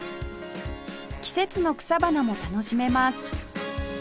季節の草花も楽しめます